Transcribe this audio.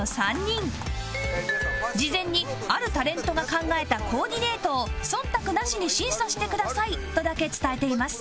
事前に「あるタレントが考えたコーディネートを忖度なしに審査してください」とだけ伝えています